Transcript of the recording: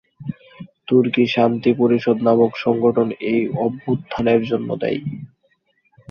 তুর্কি শান্তি পরিষদ নামক সংগঠন এই অভ্যুত্থানের জন্য দায়ী।